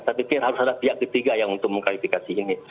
saya pikir harus ada pihak ketiga yang untuk mengklarifikasi ini